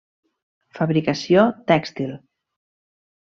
Fabricació tèxtil.